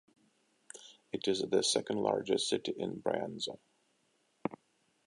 It is the second largest city in Brianza.